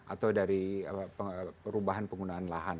atau dari perubahan penggunaan lahan